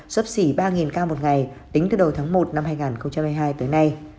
sấp xỉ ba ca một ngày tính từ đầu tháng một năm hai nghìn hai mươi hai tới nay